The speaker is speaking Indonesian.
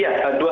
iya tentu saja